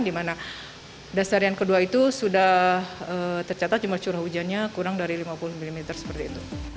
di mana dasarian kedua itu sudah tercatat jumlah curah hujannya kurang dari lima puluh mm seperti itu